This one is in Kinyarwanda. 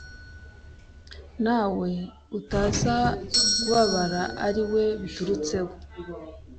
nawe utaza kubabara ari we biturutseho.